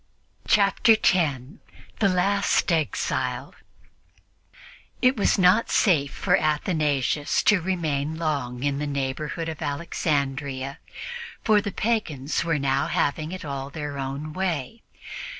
Chapter 10 THE LAST EXILE IT was not safe for Athanasius to remain long in the neighborhood of Alexandria, for the pagans were now having it all their own way.